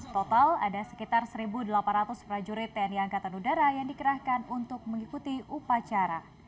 total ada sekitar satu delapan ratus prajurit tni angkatan udara yang dikerahkan untuk mengikuti upacara